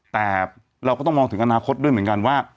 แต่เราก็ต้องมองถึงอนาคตด้วยเหมือนกันว่า